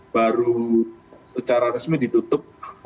baru secara resmi ditutup